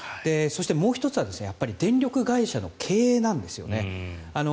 もう１つは、やっぱり電力会社の経営なんですよね。